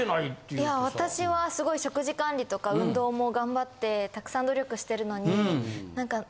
いや私はすごい食事管理とか運動も頑張ってたくさん努力してるのに何かなにもねしてないで結構。